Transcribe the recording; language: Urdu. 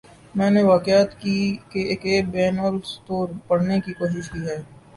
میں نے واقعات کے بین السطور پڑھنے کی کوشش کی ہے۔